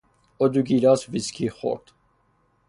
او دو گیلاس ویسکی خورد.